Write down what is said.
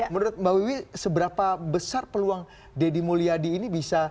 menurut mbak wiwi seberapa besar peluang deddy mulyadi ini bisa